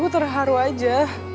aku terharu aja